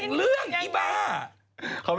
เธอนี่มัน